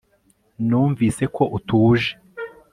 numvise ko utuje